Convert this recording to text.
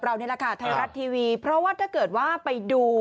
ปล่อยให้กลไกรรัฐทรัพยาไป